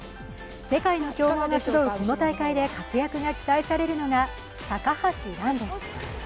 世界の強豪が集うこの大会で活躍が期待されるのが高橋藍です。